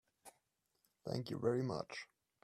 Thank you very much.